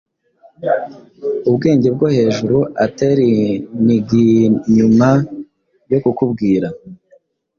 Ubwenge-bwohejuru athelingnyuma yo kukubwira